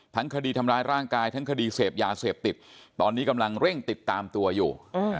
คดีทำร้ายร่างกายทั้งคดีเสพยาเสพติดตอนนี้กำลังเร่งติดตามตัวอยู่